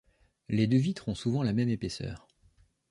Les deux vitres ont souvent la même épaisseur.